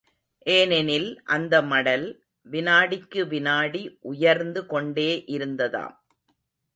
ஏனெனில், அந்த மடல், விநாடிக்கு விநாடி உயர்ந்து கொண்டே இருந்ததாம்.